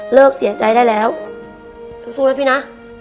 เลิกเสียใจได้แล้วสูงสู้นะพี่น่ะ